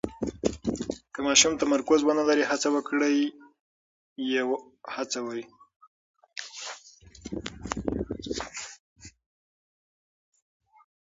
که ماشوم تمرکز ونلري، هڅه وکړئ یې هڅوئ.